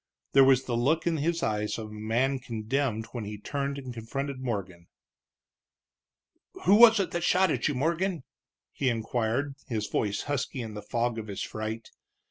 There was the look in his eyes of a man condemned when he turned and confronted Morgan. "Who was it that shot at you, Morgan?" he inquired, his voice husky in the fog of his fright.